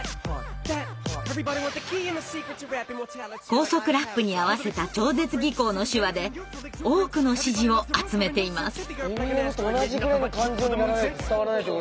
高速ラップに合わせた超絶技巧の手話で多くの支持を集めています。